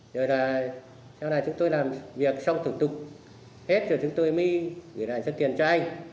rồi là sau này chúng tôi làm việc xong thủ tục hết rồi chúng tôi mới gửi lại cho tiền cho anh